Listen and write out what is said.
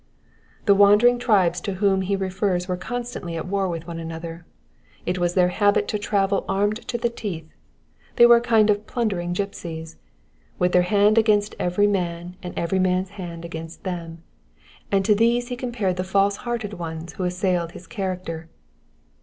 The wandering tribes to whom he refers were constantly at war with one another ; it was their habit to travel armed to the teeth ; they were a kind of plundering gipsies, with their hand against every man and every man^s hand against them ; and to these he compared the false hearted ones who had assailed his character.